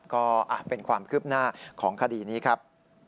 ก็เป็นความคืบหน้าของคดีนี้ครับ